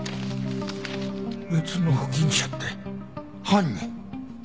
別の保菌者って犯人？